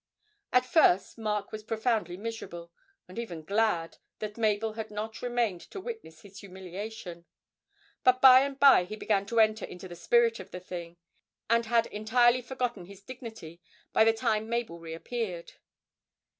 At first Mark was profoundly miserable, and even glad that Mabel had not remained to witness his humiliation; but by and by he began to enter into the spirit of the thing, and had entirely forgotten his dignity by the time Mabel reappeared.